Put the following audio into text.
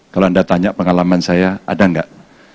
kalau anda tanya pengalaman saya ada nggak